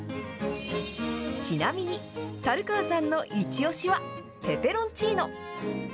ちなみに樽川さんのイチオシは、ペペロンチーノ。